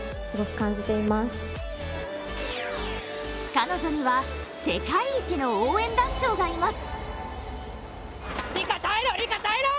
彼女には世界一の応援団長がいます。